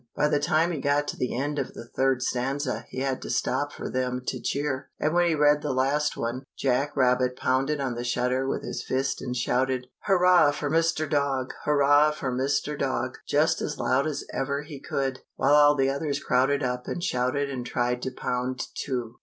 By the time he got to the end of the third stanza he had to stop for them to cheer, and when he read the last one, Jack Rabbit pounded on the shutter with his fist and shouted, "Hurrah for Mr. Dog! Hurrah for Mr. Dog!" just as loud as ever he could, while all the others crowded up and shouted and tried to pound, too.